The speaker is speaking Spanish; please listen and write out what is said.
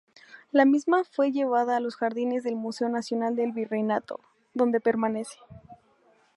La misma fue llevada a los jardines del Museo Nacional del Virreinato, donde permanece.